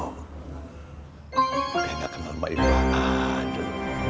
kayak gak kenal maipa aja